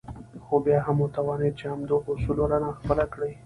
خو بيا هم وتوانېد چې د همدغو اصولو رڼا خپله کړي.